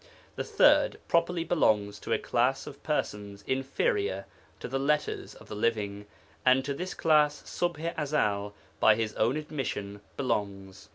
The third properly belongs to a class of persons inferior to the 'Letters of the Living,' and to this class Ṣubḥ i Ezel, by his own admission, belongs.